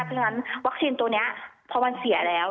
เพราะฉะนั้นวัคซีนตัวนี้พอมันเสียแล้ว